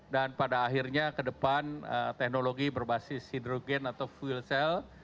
dan pada akhirnya kedepan teknologi berbasis hidrogen atau fuel cell